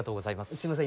すいません